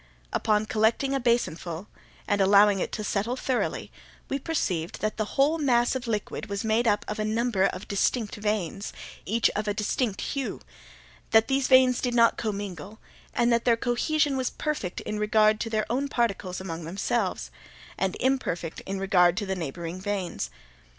Upon collecting a basinful, and allowing it to settle thoroughly, we perceived that the whole mass of liquid was made up of a number of distinct veins, each of a distinct hue; that these veins did not commingle; and that their cohesion was perfect in regard to their own particles among themselves, and imperfect in regard to neighbouring veins.